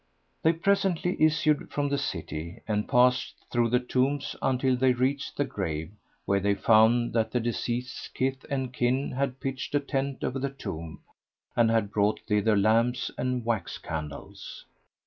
They presently issued from the city, and passed through the tombs until they reached the grave where they found that the deceased's kith and kin had pitched a tent over the tomb and had brought thither lamps and wax candles.